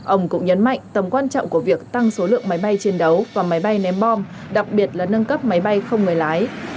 ông cũng nhấn mạnh tầm quan trọng của việc tăng số lượng máy bay chiến đấu và máy bay ném bom đặc biệt là nâng cấp máy bay không người lái